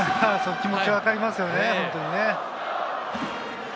気持ち、わかりますよね。